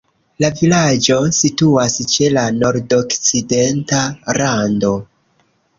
La vilaĝo situas ĉe la nordokcidenta rando.